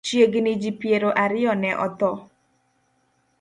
Chiegni ji piero ariyo ne otho.